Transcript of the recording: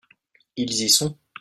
Ils y sont